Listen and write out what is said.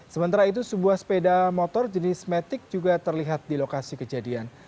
sementara itu sebuah sepeda motor jenis matic juga terlihat di lokasi kejadian